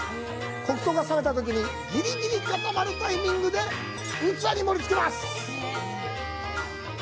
黒糖が冷めたときに、ぎりぎり固まるタイミングで器に盛りつけます。